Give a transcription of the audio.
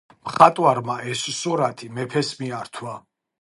მხატვარმა ეს სურათი მეფეს მიართვა.